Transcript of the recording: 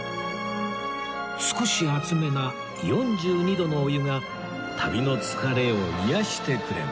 少し熱めな４２度のお湯が旅の疲れを癒やしてくれます